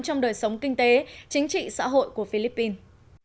trong đời sống kinh tế chính trị xã hội của philippines